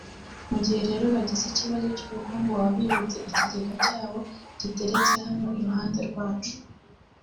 Mu gihe rero bagize ikibazo cy’ubukungu baba bibutse ikigega cyabo giteretse hano iruhande rwacu